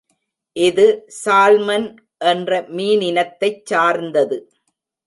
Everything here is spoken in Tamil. இது சால் மன் என்ற மீனினத்தைச் சார்ந்தது.